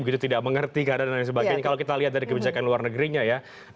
begitu tidak mengerti keadaan dan sebagainya kalau kita lihat dari kebijakan luar negerinya ya